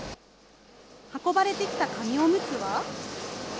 運ばれてきた紙おむつは。